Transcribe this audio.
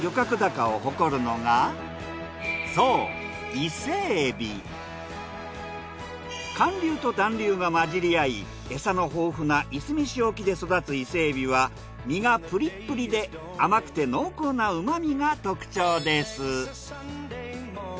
ここで寒流と暖流が混じり合い餌の豊富ないすみ市沖で育つ伊勢海老は身がプリップリで甘くて濃厚な旨みが特徴です。